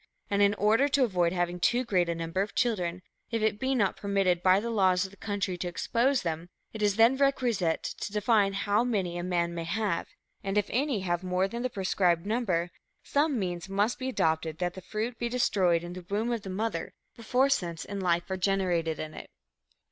And in order to avoid having too great a number of children, if it be not permitted by the laws of the country to expose them, it is then requisite to define how many a man may have; and if any have more than the prescribed number, some means must be adopted that the fruit be destroyed in the womb of the mother before sense and life are generated in it."